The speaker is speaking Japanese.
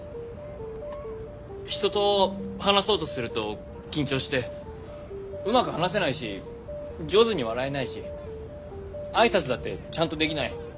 人と話そうとすると緊張してうまく話せないし上手に笑えないし挨拶だってちゃんとできない。